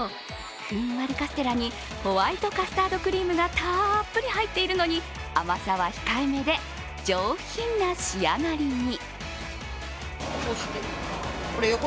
ふんわりカステラにホワイトカスタードクリームがたっぷり入っているのに甘さは控えめで上品な仕上がりに。